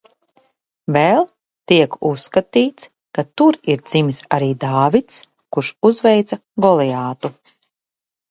Vēl tiek uzskatīts, ka tur ir dzimis arī Dāvids, kurš uzveica Goliātu.